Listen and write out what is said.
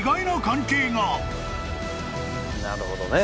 なるほどね。